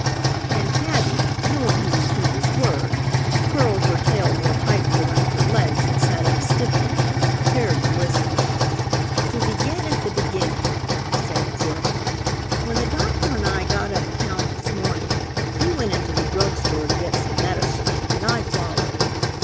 And Tabby, knowing he would keep his word, curled her tail more tightly around her legs and sat up stiffly, prepared to listen. "To begin at the beginning," said Zip, "when the doctor and I got up town this morning, he went into the drug store to get some medicines, and I followed.